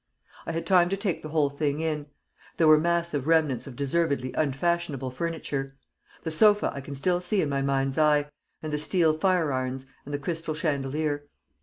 I had time to take the whole thing in. There were massive remnants of deservedly unfashionable furniture. The sofa I can still see in my mind's eye, and the steel fire irons, and the crystal chandelier.